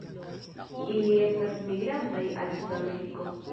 Ili estas migrantaj al Sudameriko.